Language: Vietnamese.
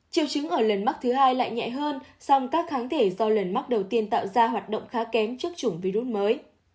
triệu chứng ở lần mắc thứ hai lại nhẹ hơn song các kháng thể do lần mắc đầu tiên tạo ra hoạt động khá kém trước chủng virus mới